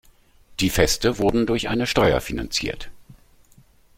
Die Feste wurden durch eine Steuer finanziert.